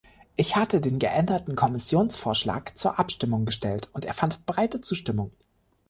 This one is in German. Ich hatte den geänderten Kommissionsvorschlag zur Abstimmung gestellt, und er fand breite Zustimmung.